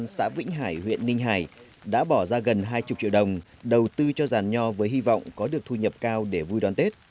xã vĩnh hải huyện ninh hải đã bỏ ra gần hai mươi triệu đồng đầu tư cho giàn nho với hy vọng có được thu nhập cao để vui đón tết